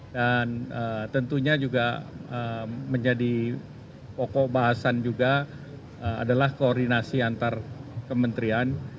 dan tentunya juga menjadi pokok bahasan juga adalah koordinasi antar kementerian